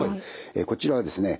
こちらはですね